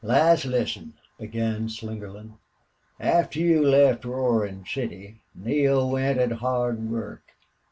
"Lass, listen!" began Slingerland. "After you left Roarin' City Neale went at hard work.